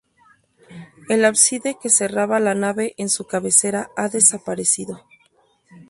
El ábside que cerraba la nave en su cabecera, ha desaparecido.